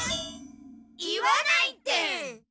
言わないって！